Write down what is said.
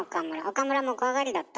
岡村も怖がりだった？